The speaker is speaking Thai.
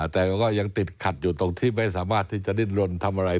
แต่ก็ยังติดขัดอยู่ตรงที่ไม่สามารถที่จะดิ้นลนทำอะไร